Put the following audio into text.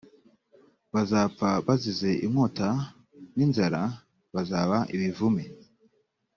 bazapfa bazize inkota n inzara bazaba ibivume